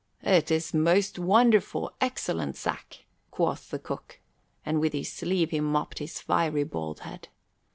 "It is most wonderful excellent sack," quoth the cook, and with his sleeve he mopped his fiery bald head.